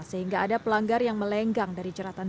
sehingga ada pelanggar yang menggunakan jalan tol yang terkena tilang